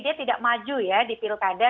dia tidak maju ya di pilkada